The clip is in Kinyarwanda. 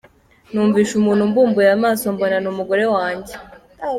Numvise umuntu mbumbuye amaso mbona ni umugore wanjye.